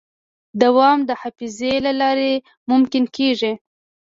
دوام د حافظې له لارې ممکن کېږي.